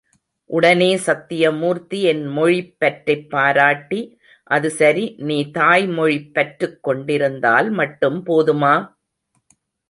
உடனே சத்யமூர்த்தி என் மொழிப்பற்றைப் பாராட்டி, அது சரி நீ தாய் மொழிப் பற்றுக் கொண்டிருந்தால் மட்டும் போதுமா?